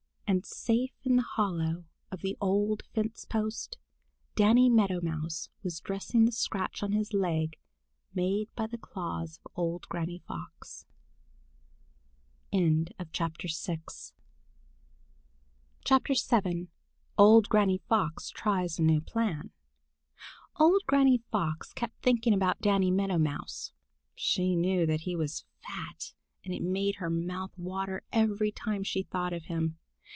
And safe in the hollow of the old fence post, Danny Meadow Mouse was dressing the scratch on his leg made by the claws of old Granny Fox. VII OLD GRANNY FOX TRIES A NEW PLAN OLD Granny Fox kept thinking about Danny Meadow Mouse. She knew that he was fat, and it made her mouth water every time she thought of him.